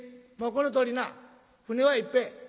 このとおりな船はいっぱい。